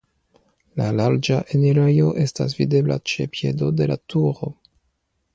La larĝa enirejo estas videbla ĉe piedo de la turo.